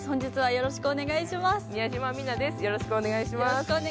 よろしくお願いします。